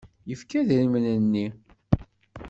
Yefka idrimen-nni.